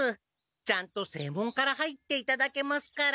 ちゃんと正門から入っていただけますから。